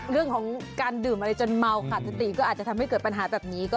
เรื่องของการดื่มอะไรจนเมาขาดสติก็อาจจะทำให้เกิดปัญหาแบบนี้ก็